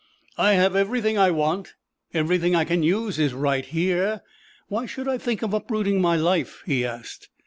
"I have everything I want, everything I can use is right here; why should I think of uprooting my life?" he asked.